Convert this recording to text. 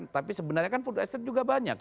tapi sebenarnya kan food estate juga banyak